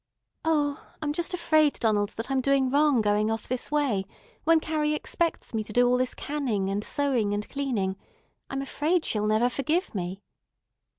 "O, I'm just afraid, Donald, that I'm doing wrong going off this way, when Carrie expects me to do all this canning and sewing and cleaning. I'm afraid she'll never forgive me."